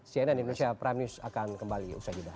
cnn indonesia prime news akan kembali usai jeda